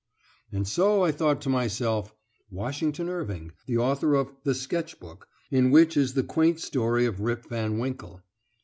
And so I thought to myself, "Washington Irving, the author of 'The Sketch Book,' in which is the quaint story of Rip Van Winkle."